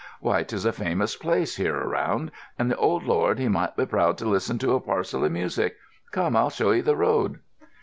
"Why, 'tis a famous place here around, and the old lord he might be proud to listen to a parcel o' music. Come, I'll show 'ee the road."